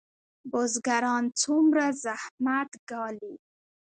بزګران څومره زحمت ګالي؟